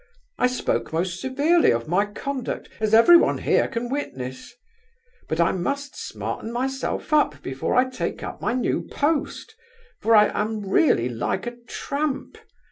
I spoke most severely of my conduct, as everyone here can witness. But I must smarten myself up before I take up my new post, for I am really like a tramp.